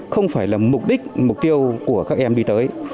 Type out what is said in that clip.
không phải là mục đích mục tiêu của các em đi tới